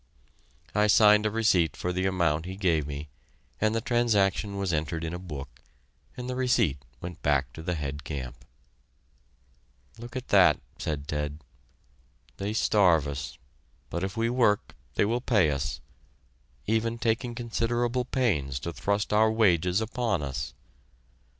I signed a receipt for the amount he gave me, and the transaction was entered in a book, and the receipt went back to the head camp. "Look at that," said Ted; "they starve us, but if we work they will pay us, even taking considerable pains to thrust our wages upon us.